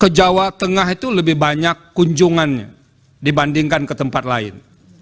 se jawa tengah itu lebih banyak kunjungannya dibandingkan ke tempat lain